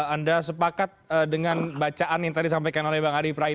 anda sepakat dengan bacaan yang tadi sampaikan oleh pak jadul